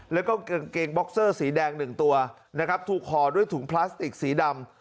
แล้วก็กางเกงบ็อกเซอร์สีแดงหนึ่งตัวนะครับถูกห่อด้วยถุงพลาสติกสีดำ